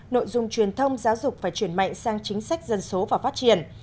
nội dung truyền thông giáo dục phải chuyển mạnh sang chính sách dân số và phát triển